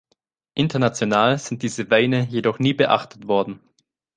International sind diese Weine jedoch nie beachtet worden.